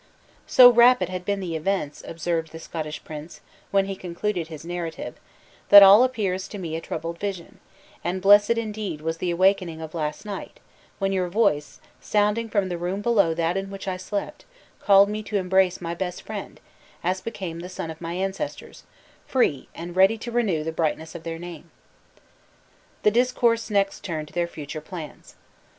"So rapid had been the events," observed the Scottish prince, when he concluded his narrative, "that all appears to me a troubled vision; and blessed, indeed, was the awaking of last night, when your voice, sounding from the room below that in which I slept, called me to embrace my best friend, as became the son of my ancestors free, and ready to renew the brightness of their name!" The discourse next turned to their future plans.